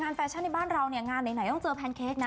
แฟชั่นในบ้านเราเนี่ยงานไหนต้องเจอแพนเค้กนะ